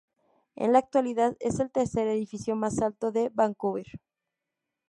En la actualidad es el tercer edificio más alto de Vancouver.